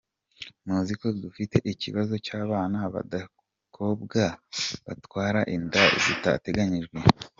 Muzi ko dufite ikibazo cy’abana b’abakobwa batwara inda zidateganyijwe.